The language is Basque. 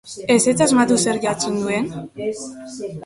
Ezetz asmatu zer jartzen zuen?